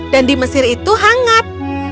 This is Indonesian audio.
dan di mesir itu hangat